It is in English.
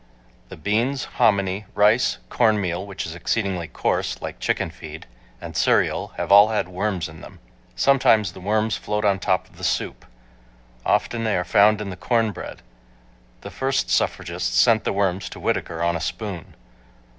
The beans, hominy, rice, cornmeal (which is exceedingly coarse, like chicken feed) and cereal have all had worms in them. Sometimes the worms float on top of the soup. Often they are found in the cornbread. The first suffragists sent the worms to Whittaker on a spoon.